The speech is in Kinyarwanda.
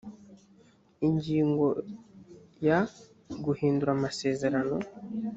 ingingo ya guhindura amasezerano